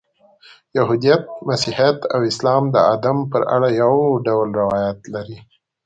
یهودیت، مسیحیت او اسلام د آدم په اړه یو ډول روایات لري.